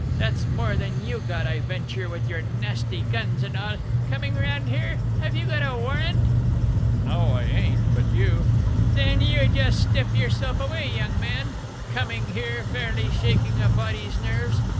That's more than you got, I venture, with your nasty guns and all, coming around here Have you got a warrant?" "No, I ain't, but you " "Then you just step yourself away, young man! Coming here, fairly shaking a body's nerves.